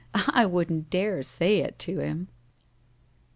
"I wouldn't dare say it to him."